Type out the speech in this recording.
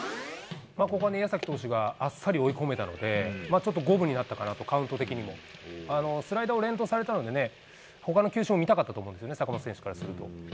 ここね、矢崎投手があっさり追い込めたので、ちょっと五分になったかなと、カウント的にも。スライダーを連投されたのでね、ほかの球種も見たかったと思うんですよね、坂本選手からすると。